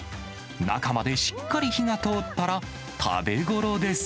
中までしっかり火が通ったら、食べごろです。